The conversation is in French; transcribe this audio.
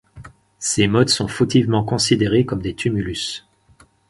Ces mottes sont fautivement considérées comme des tumulus.